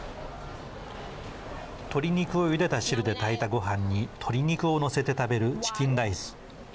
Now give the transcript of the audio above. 鶏肉をゆでた汁で炊いたご飯に鶏肉を載せて食べるチキンライス。